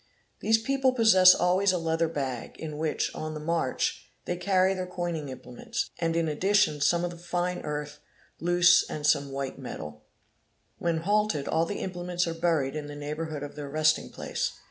'These people possess always a leather bag, in which, on the march, | they carry their coining implements, and in addition some of the fine earth, loose, and some white metal. 100 794 CHEATING AND FRAUD 'When halted all the implements are buried in the neighbourhood of their resting place.